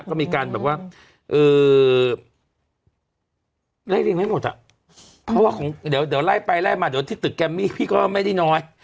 ก็มีการแบบว่าเออไล่เรียงไงหมดอะเพราะว่าเดี๋ยวไล่ไปไล่มาถึงตึกแกมมี่พี่ก็ไม่ได้น้อย